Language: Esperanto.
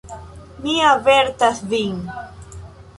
Mi avertas vin.